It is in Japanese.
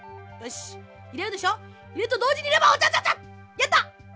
やった！